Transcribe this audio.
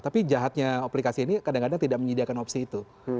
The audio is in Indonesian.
tapi jahatnya aplikasi ini kadang kadang tidak menyediakan opsi itu